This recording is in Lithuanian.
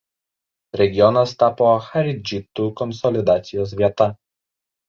Regionas tapo charidžitų konsolidacijos vieta.